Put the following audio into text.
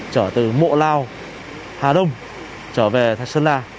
chở từ mộ lao hà đông trở về thái sơn la